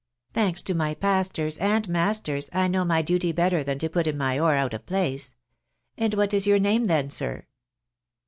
Thanks to my pastors and masters, I know my duty better than to put in my oar out of place. And what is your name then, sir?"